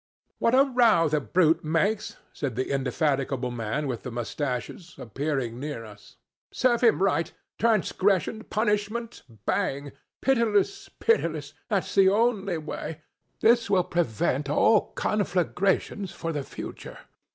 'What a row the brute makes!' said the indefatigable man with the mustaches, appearing near us. 'Serve him right. Transgression punishment bang! Pitiless, pitiless. That's the only way. This will prevent all conflagrations for the future.